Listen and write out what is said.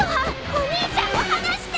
お兄ちゃんを放して！